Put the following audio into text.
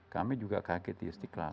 kami juga kaget ya istiqlalat